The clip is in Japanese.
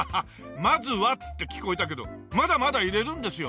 「まずは」って聞こえたけどまだまだ入れるんですよね？